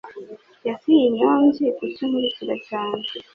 ese iyi nyombyi kuki inkurikira cyane